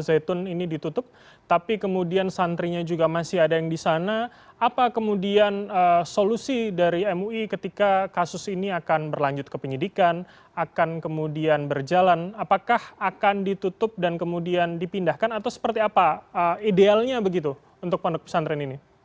jadi apakah ini juga masih ada yang di sana apa kemudian solusi dari mui ketika kasus ini akan berlanjut ke penyidikan akan kemudian berjalan apakah akan ditutup dan kemudian dipindahkan atau seperti apa idealnya begitu untuk pendek pesantren ini